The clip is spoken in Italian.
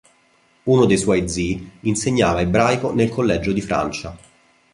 Uno dei suoi zii insegnava ebraico nel Collegio di Francia.